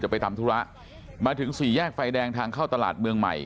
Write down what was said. ไปทำธุระมาถึงสี่แยกไฟแดงทางเข้าตลาดเมืองใหม่